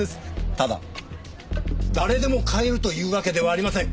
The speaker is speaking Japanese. ただ誰でも買えるというわけではありません。